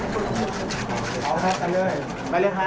พร้อมแล้วเลยค่ะ